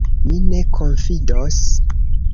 Mi ne konfidos.